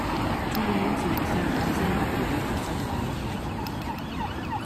Tout le monde sélectionne des dizaines de choristes sans opinions politiques!